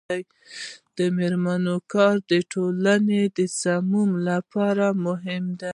د میرمنو کار د ټولنې سمون لپاره مهم دی.